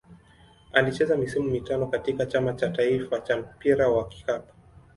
Alicheza misimu mitano katika Chama cha taifa cha mpira wa kikapu.